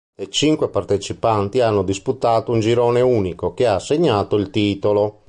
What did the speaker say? Le cinque partecipanti hanno disputato un girone unico che ha assegnato il titolo.